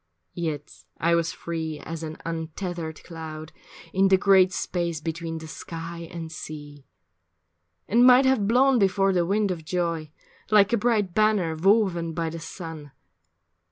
Yet I was free as an untethered cloud In the great space between the sky and sea, And might have blown before the wind of joy Like a bright banner woven by the sun.